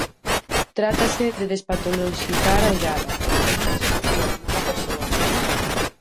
Trátase de despatoloxizar a ollada: o enfermo é a situación, non a persoa.